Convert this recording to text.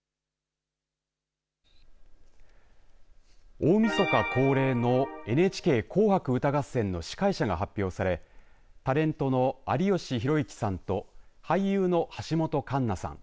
大みそか恒例のＮＨＫ紅白歌合戦の司会者が発表されタレントの有吉弘行さんと俳優の橋本環奈さん